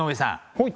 はい。